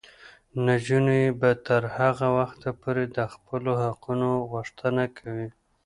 نجونې به تر هغه وخته پورې د خپلو حقونو غوښتنه کوي.